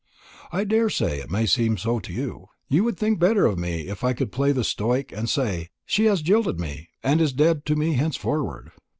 "I daresay it may seem so to you. You would think better of me if I could play the stoic, and say, 'She has jilted me, and is dead to me henceforward.'